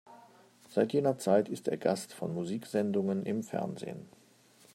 Seit jener Zeit ist er Gast von Musiksendungen im Fernsehen.